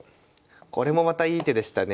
これもまたいい手でしたね。